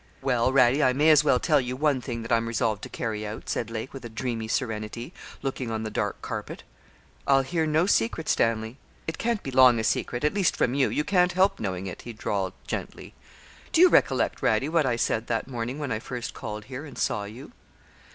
'Well, Radie, I may as well tell you one thing that I'm resolved to carry out,' said Lake, with a dreamy serenity, looking on the dark carpet. 'I'll hear no secret, Stanley.' 'It can't be long a secret, at least from you you can't help knowing it,' he drawled gently. 'Do you recollect, Radie, what I said that morning when I first called here, and saw you?'